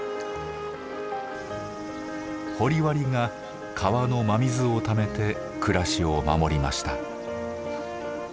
掘割が川の真水をためて暮らしを守りました。